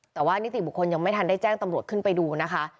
แต่ว่านิติบุคคลยังไม่ทันได้แจ้งตำรวจขึ้นไปดูนะคะ